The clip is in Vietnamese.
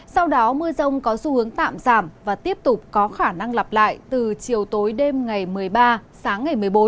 sau đó mưa rông có xu hướng tạm giảm và tiếp tục có khả năng lặp lại từ chiều tối đêm ngày một mươi ba sáng ngày một mươi bốn